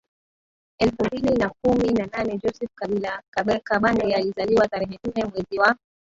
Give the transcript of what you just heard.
elfu mbili na kumi na naneJoseph Kabila Kabange alizaliwa tarehe nne mwezi wa